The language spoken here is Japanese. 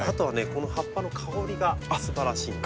この葉っぱの香りがすばらしいんです。